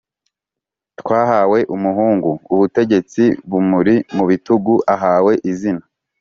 twahawe umuhungu, ubutegetsi bumuri mu bitugu ahawe izina: